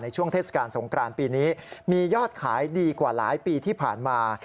ช่วงเทศกาลสงครานปีนี้มียอดขายดีกว่าหลายปีที่ผ่านมา